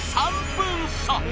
３分差